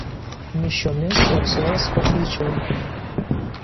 Mišiomis Erslos koplyčioje.